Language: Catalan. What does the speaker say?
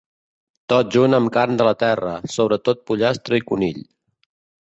Tot junt amb carn de la terra, sobretot pollastre i conill.